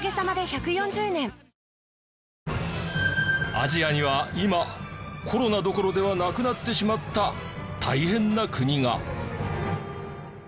アジアには今コロナどころではなくなってしまった大変な国が。